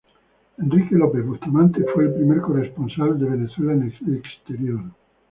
Enrique López Bustamante fue el primer corresponsal de Venezuela en el exterior.